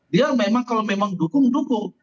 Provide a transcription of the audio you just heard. dia memang kalau memang dukung dukung